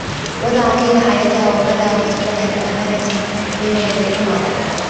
وضعت ليلى حياتها و مالها و مستقبلها كأمانة بين يدي فاضل.